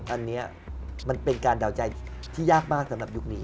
อันนี้มันเป็นการเดาใจที่ยากมากสำหรับยุคนี้